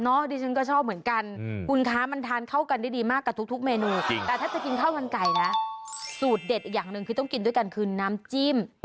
ดิฉันก็ชอบเหมือนกันคุณคะมันทานเข้ากันได้ดีมากกับทุกเมนูจริงแต่ถ้าจะกินข้าวมันไก่นะสูตรเด็ดอีกอย่างหนึ่งคือต้องกินด้วยกันคือน้ำจิ้ม